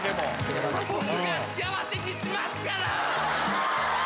「僕が幸せにしますからぁ！」